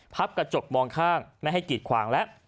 กระจกมองข้างไม่ให้กีดขวางแล้ว